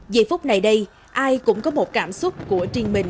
vì phút này đây ai cũng có một cảm xúc của riêng mình